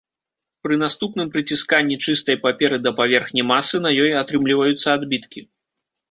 Пры наступным прыцісканні чыстай паперы да паверхні масы на ёй атрымліваюцца адбіткі.